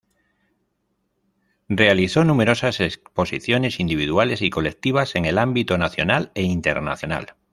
Realizó numerosas exposiciones individuales y colectivas en el ámbito nacional e internacional.